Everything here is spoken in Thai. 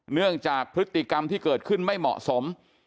เนื่องจากพฤติกรรมที่เกิดขึ้นไม่เหมาะสม